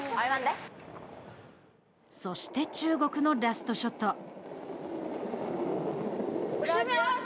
そして、中国のラストショット。